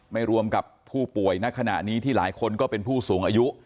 รวมกับผู้ป่วยณขณะนี้ที่หลายคนก็เป็นผู้สูงอายุ